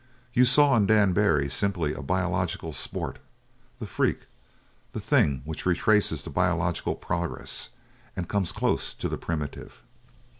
You saw in Dan Barry simply a biological sport the freak the thing which retraces the biological progress and comes close to the primitive.